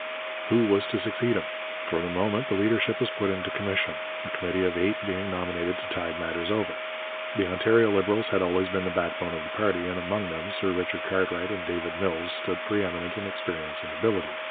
Who was to succeed him? For the moment the leadership was put into commission, a committee of eight being nominated to tide matters over. The Ontario Liberals had always been the backbone of the party, and among them Sir Richard Cartwright and David Mills stood pre eminent in experience and ability.